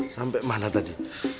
sampai mana tadi